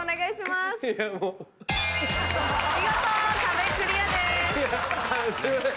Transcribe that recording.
すいません。